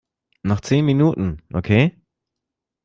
Noch zehn Minuten, okay?